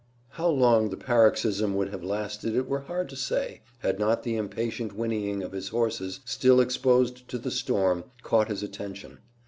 How long the paroxysm would have lasted it were hard to say, had not the impatient whinnying of his horses, still exposed to the storm, caught his attention.